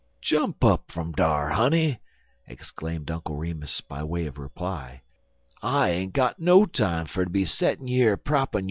"Jump up fum dar, honey!" exclaimed Uncle Remus, by way of reply. "I ain't got no time fer ter be settin' yer proppin' yo' eyeleds open."